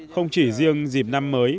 không chỉ riêng dịp năm mới